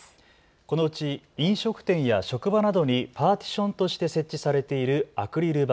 このうち飲食店や職場などにパーティションとして設置されているアクリル板。